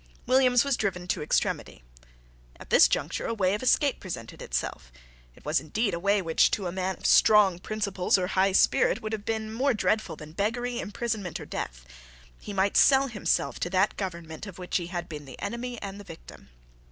Williams was driven to extremity. At this juncture a way of escape presented itself. It was indeed a way which, to a man of strong principles or high spirit, would have been more dreadful than beggary, imprisonment, or death. He might sell himself to that government of which he had been the enemy and the victim.